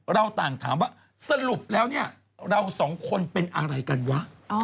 เราต่างถามว่าสรุปแล้วเนี่ยเราสองคนเป็นอะไรกันวะ